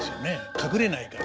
隠れないから。